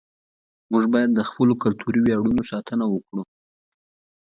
موږ باید د خپلو کلتوري ویاړونو ساتنه وکړو.